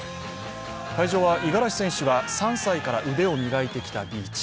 会場は五十嵐選手が３歳から腕を磨いてきたビーチ。